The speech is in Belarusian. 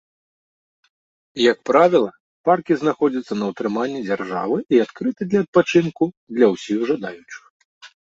Як правіла, паркі знаходзяцца на ўтрыманні дзяржавы і адкрыты для адпачынку для ўсіх жадаючых.